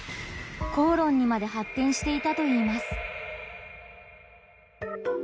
口論にまで発展していたといいます。